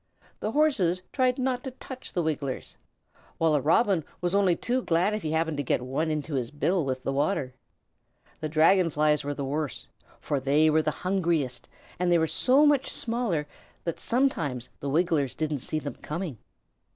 The Horses tried not to touch the Wigglers, while a Robin was only too glad if he happened to get one into his bill with the water. The Dragon Flies were the worst, for they were the hungriest, and they were so much smaller that sometimes the Wigglers didn't see them coming.